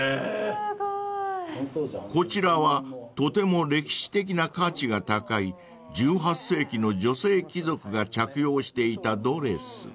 ［こちらはとても歴史的な価値が高い１８世紀の女性貴族が着用していたドレス］